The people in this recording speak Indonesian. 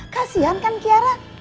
kasian kan kiara